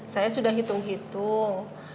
saya sudah hitung hitung